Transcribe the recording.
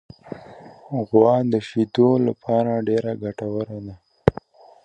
غوا د شیدو لپاره ډېره ګټوره ده.